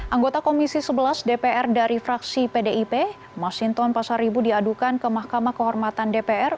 anggota komisi sebelas dpr dari fraksi pdip masinton pasaribu diadukan ke mahkamah kehormatan dpr